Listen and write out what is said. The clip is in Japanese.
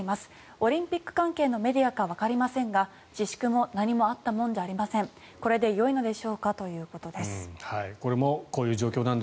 オリンピック関係のメディアかわかりませんが自粛も何もあったもんじゃありません。